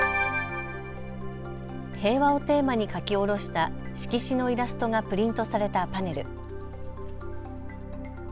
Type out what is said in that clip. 平和をテーマに描き下ろした色紙のイラストがプリントされたパネル。